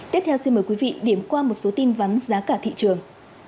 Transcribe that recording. tiếp theo xin mời quý vị điểm qua một số tin vấn giá cả thị trường